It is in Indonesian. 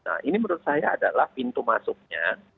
nah ini menurut saya adalah pintu masuknya